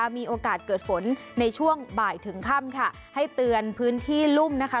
มีโอกาสเกิดฝนในช่วงบ่ายถึงค่ำค่ะให้เตือนพื้นที่รุ่มนะคะ